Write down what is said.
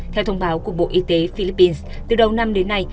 theo thông báo của bộ y tế philippines từ đầu năm đến nay